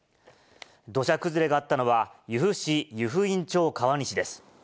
土砂崩れがあったのは、由布市湯布院町川西です。